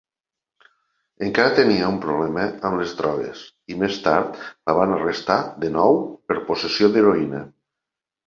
Encara tenia un problema amb les drogues, i més tard la van arrestar de nou per possessió d'heroïna.